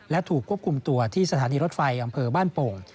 และถูกควบคุมตัวที่สถานีรถไฟอำเภอบ้านโป่ง